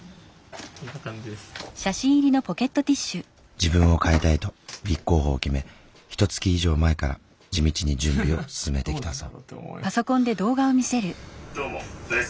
自分を変えたいと立候補を決めひとつき以上前から地道に準備を進めてきたそう。